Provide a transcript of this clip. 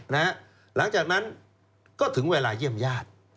หลังจากนั้นก็ถึงเวลาเยี่ยมญาติ